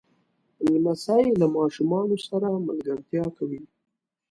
لمسی له ماشومانو سره ملګرتیا کوي.